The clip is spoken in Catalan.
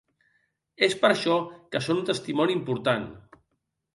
És per això que són un testimoni important.